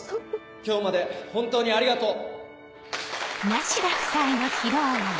今日まで本当にありがとう！